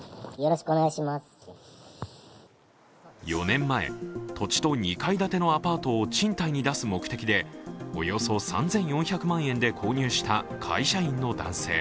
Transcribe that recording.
４年前、土地と２階建てアパートを賃貸に出す目的でおよそ３４００万円で購入した会社員男性。